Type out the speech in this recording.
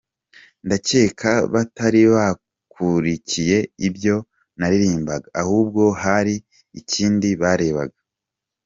Ndakeka batari bakurikiye ibyo naririmbaga, ahubwo hari ikindi barebaga.